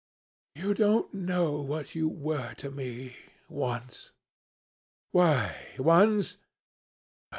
You don't know what you were to me, once. Why, once